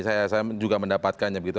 saya juga mendapatkannya begitu